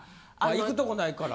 行くとこないから？